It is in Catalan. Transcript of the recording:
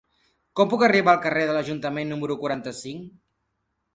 Com puc arribar al carrer de l'Ajuntament número quaranta-cinc?